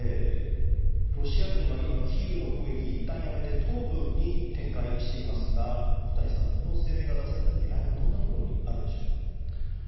ロシア軍はキーウの攻撃を今、いったんやめて東部に展開していますが小谷さん、この声明が出された狙いは、どんなところにあるんでしょうか。